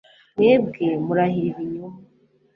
mwebwe, murahira ibinyoma